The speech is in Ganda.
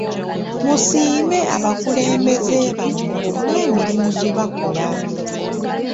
Musiime abakulembeze bamwe olw'emirimu gye bakola.